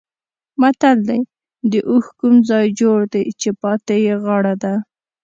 متل دی: د اوښ کوم ځای جوړ دی چې پاتې یې غاړه ده.